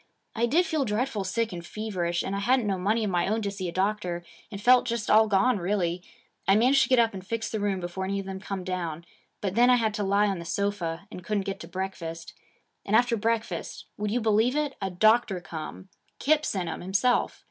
I did feel dreadful sick and feverish, and I hadn't no money of my own to see a doctor, and felt just all gone really. I managed to get up and fix the room before any of them come down. But then I had to lie on the sofa, and couldn't get to breakfast. And after breakfast would you believe it? a doctor come. Kip sent him, himself.